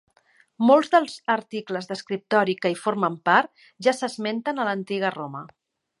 Molts dels articles d'escriptori que hi formen part, ja s'esmenten a l'antiga Roma.